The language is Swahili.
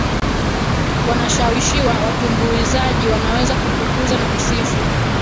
wanashawishiwaWatumbuizaji wanaweza kutukuza na kusifu